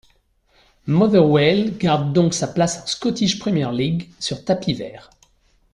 Motherwell garde donc sa place en Scottish Premier League sur tapis vert.